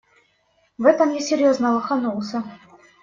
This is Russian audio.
В этом я серьёзно лоханулся.